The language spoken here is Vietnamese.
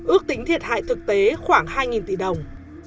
ước tính thiệt hại thực tế khoảng hai tỷ đồng